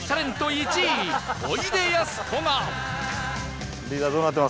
１位おいでやすこが